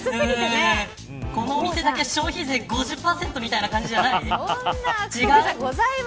このお店だけ消費税５０％みたいな感じなんじゃないの。